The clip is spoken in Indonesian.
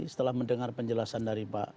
setelah mendengar penjelasan dari pak